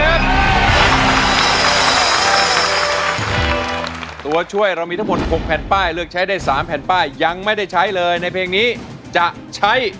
เอาล่ะถ้าไม่ใช้ไหวน่ะสำหรับน้ำลายน่ะ